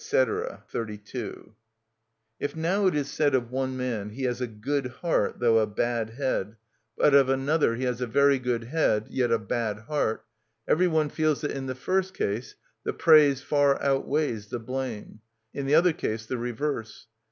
(32) If now it is said of one man, "He has a good heart, though a bad head," but of another, "He has a very good head, yet a bad heart," every one feels that in the first case the praise far outweighs the blame—in the other case the reverse.